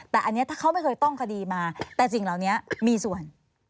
แต่อันนี้ถ้าเขาไม่เคยต้องคดีมาแต่สิ่งเหล่านี้มีส่วน